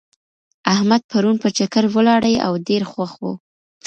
احمد پرون په چکر ولاړی او ډېر خوښ و.